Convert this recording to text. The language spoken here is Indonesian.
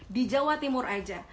di jawa timur aja